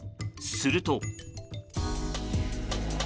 すると。